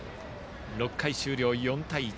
６回終了、４対１。